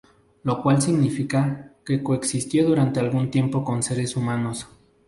Lo cual significa que coexistió durante algún tiempo con seres humanos.